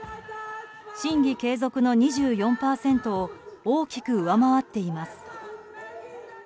審議継続の２４％を大きく上回っています。